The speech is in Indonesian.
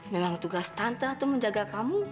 memang tugas tante itu menjaga kamu